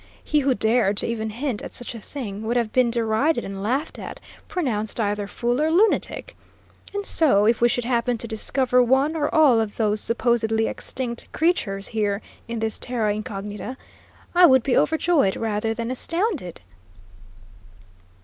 He who dared to even hint at such a thing would have been derided and laughed at, pronounced either fool or lunatic. And so, if we should happen to discover one or all of those supposedly extinct creatures here in this terra incognita, I would be overjoyed rather than astounded."